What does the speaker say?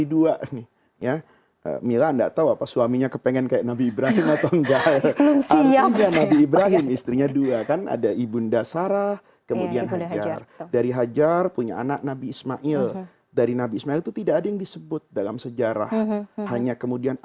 dia punya kewajiban mengumpulkan semua aset dia